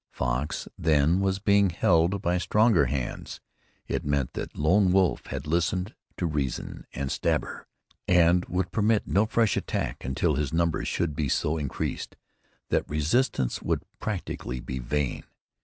Fox then was being held by stronger hands. It meant that Lame Wolf had listened to reason, and Stabber, and would permit no fresh attack until his numbers should be so increased that resistance would practically be vain.